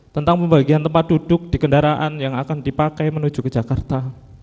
tentang pembagian tempat duduk di kendaraan yang akan dipakai menuju ke jakarta